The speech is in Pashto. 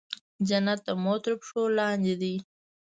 جنت د مور تر پښو لاندې دی